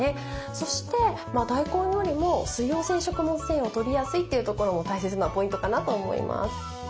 そして大根よりも水溶性食物繊維をとりやすいというところも大切なポイントかなと思います。